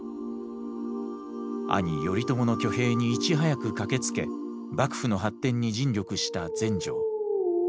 兄頼朝の挙兵にいち早く駆けつけ幕府の発展に尽力した全成。